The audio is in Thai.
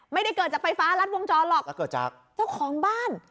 ไม่ได้เกิดจากไฟฟ้ารัดวงจรหรอกก็เกิดจากเจ้าของบ้าน